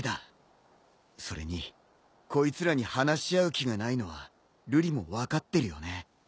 それにこいつらに話し合う気がないのは瑠璃も分かってるよね。